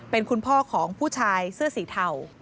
เป็นคุณพ่อของผู้ชายเสื้อสีเทา